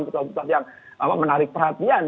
putusan putusan yang menarik perhatian